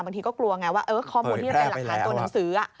บางทีก็กลัวไงว่าข้อมูลที่จะเป็นหลักฐานตัวหนังสือ